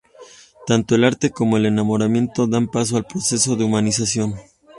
Tanto el arte como el enamoramiento dan paso al proceso de humanización.